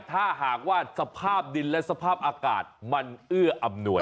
ถ้าหากว่าสภาพดินและสภาพอากาศมันเอื้ออำนวย